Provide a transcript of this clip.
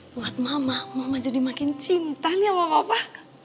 buat mama mama jadi makin cinta nih sama mama